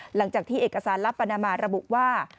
หลังจากที่เอกสารลับปานามาระบุว่า